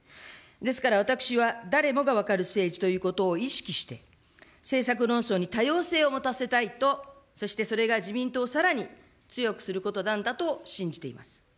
ですから、私は誰もが分かる政治ということを意識して、政策論争に多様性を持たせたいと、そして、それが自民党をさらに強くすることなんだと信じています。